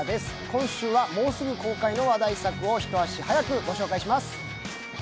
今週はもうすぐ公開の話題作を一足早く紹介します。